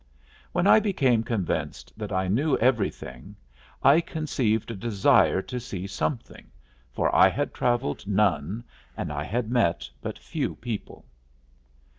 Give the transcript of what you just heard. When I became convinced that I knew everything I conceived a desire to see something, for I had traveled none and I had met but few people.